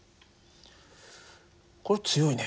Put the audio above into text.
これ強いね。